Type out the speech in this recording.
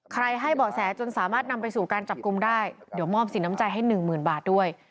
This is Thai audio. ให้เบาะแสจนสามารถนำไปสู่การจับกลุ่มได้เดี๋ยวมอบสินน้ำใจให้หนึ่งหมื่นบาทด้วย